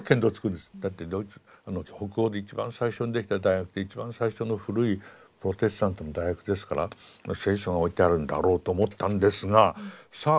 だってドイツ北欧で一番最初にできた大学で一番最初の古いプロテスタントの大学ですから聖書が置いてあるんだろうと思ったんですがさあ